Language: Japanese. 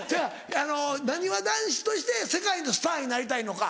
なにわ男子として世界のスターになりたいのか。